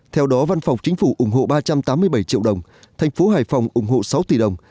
theo đó văn phòng chính phủ ủng hộ ba trăm tám mươi bảy triệu đồng thành phố hải phòng ủng hộ sáu tỷ đồng